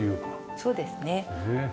そうですね。